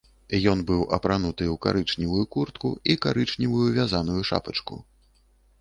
Ён быў апрануты ў карычневую куртку і карычневую вязаную шапачку.